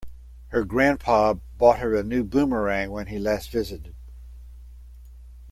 Her grandpa bought her a new boomerang when he last visited.